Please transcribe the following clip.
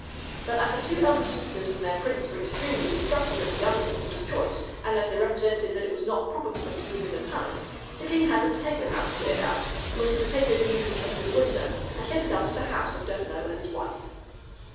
But as the two eldest sisters and their princes were extremely disgusted at the youngest sister's choice, and as they represented that it was not proper for them to live in the palace, the king had the potato house cleared out, in which the pota toes were usually kept through the winter, and fitted up as the house of Don't know and his wife.